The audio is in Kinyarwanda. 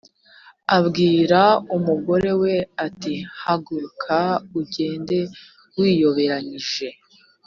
abwira umugore we ati haguruka ugende wiyoberanyije